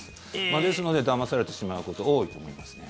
ですのでだまされてしまうことが多いと思いますね。